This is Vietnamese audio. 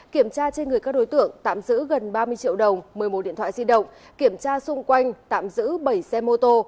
kiểm tra trên người các đối tượng tạm giữ gần ba mươi triệu đồng một mươi một điện thoại di động kiểm tra xung quanh tạm giữ bảy xe mô tô